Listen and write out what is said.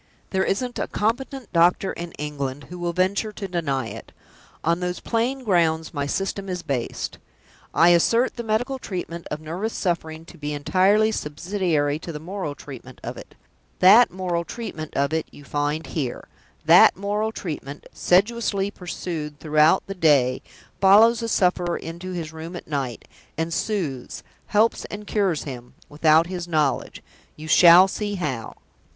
There isn't a competent doctor in England who will venture to deny it! On those plain grounds my System is based. I assert the medical treatment of nervous suffering to be entirely subsidiary to the moral treatment of it. That moral treatment of it you find here. That moral treatment, sedulously pursued throughout the day, follows the sufferer into his room at night; and soothes, helps and cures him, without his own knowledge you shall see how."